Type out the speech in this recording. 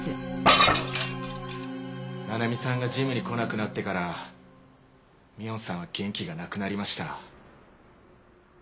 七海さんがジムに来なくなってから美音さんは元気がなくなりました。